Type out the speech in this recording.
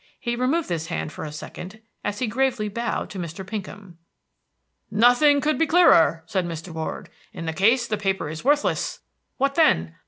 He removed this hand for a second, as he gravely bowed to Mr. Pinkham. "Nothing could be clearer," said Mr. Ward. "In case the paper is worthless, what then?